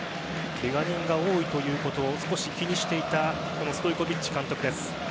けが人が多いことを気にしていたストイコヴィッチ監督です。